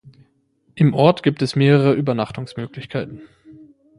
Im Ort gibt es mehrere Übernachtungsmöglichkeiten.